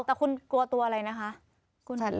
แต่คุณกลัวตัวอะไรนะคะ